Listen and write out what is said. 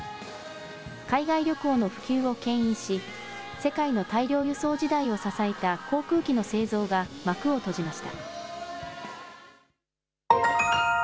海外旅行の普及をけん引し世界の大量輸送時代を支えた航空機の製造が幕を閉じました。